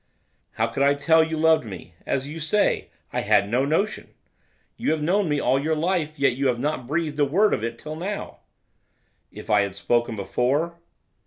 'How could I tell you loved me, as you say! I had no notion. You have known me all your life, yet you have not breathed a word of it till now.' 'If I had spoken before?